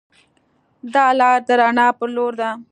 دا لار د رڼا پر لور ده.